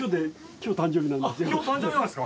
今日誕生日なんですか！？